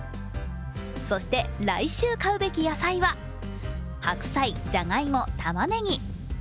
そして、来週買うべき野菜は白菜、じゃがいも、たまねぎ。